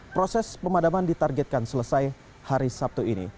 proses pemadaman ditargetkan selesai hari sabtu ini